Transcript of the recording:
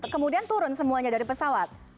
kemudian turun semuanya dari pesawat